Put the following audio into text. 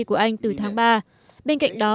của anh từ tháng ba bên cạnh đó